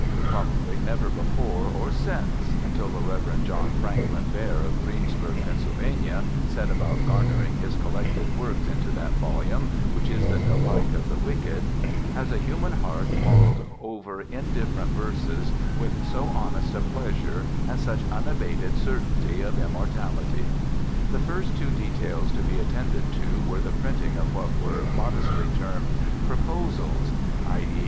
Probably never before or since, until the Rev. John Franklin Bair of Greensburg, Pennsylvania, set about garnering his collected works into that volume which is the delight of the wicked, has a human heart mulled over indifferent verses with so honest a pleasure and such unabated certainty of immortality. The first two details to be attended to were the printing of what were modestly termed Proposals—i.e.